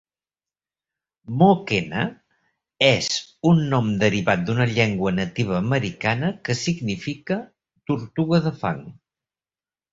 Mokena és un nom derivat d'una llengua nativa americana que significa "tortuga de fang".